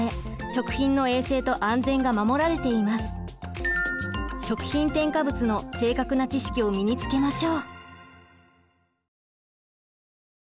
食品添加物の正確な知識を身につけましょう。